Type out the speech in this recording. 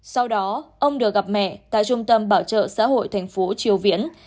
sau đó ông được gặp mẹ tại trung tâm bảo trợ xã hội thành phố triều viễn